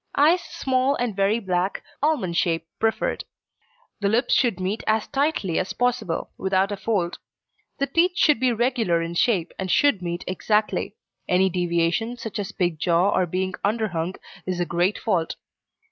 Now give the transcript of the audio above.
Eyes small and very black, almond shape preferred. The lips should meet as tightly as possible, without a fold. The teeth should be regular in shape, and should meet exactly; any deviation, such as pigjaw, or being underhung, is a great fault.